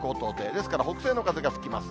ですから、北西の風が吹きます。